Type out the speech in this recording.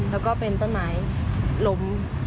แล้วก็เป็นต้นไม้ล้ม